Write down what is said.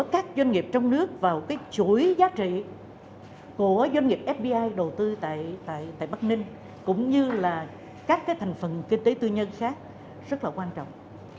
các doanh nghiệp trong nước vào chuỗi giá trị của doanh nghiệp fdi đầu tư tại bắc ninh cũng như các thành phần kinh tế tư nhân khác rất quan trọng